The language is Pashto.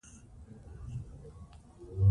په افغانستان کې باران ډېر اهمیت لري.